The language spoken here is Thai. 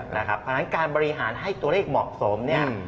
เพราะฉะนั้นการบริหารให้ตัวเลขเหมาะสมเนี่ย